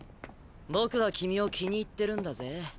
僕は君を気に入ってるンだぜ。